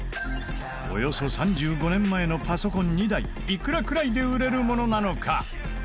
およそ３５年前のパソコン２台いくらくらいで売れるものなのか？